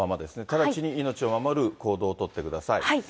直ちに命を守る行動を取ってください。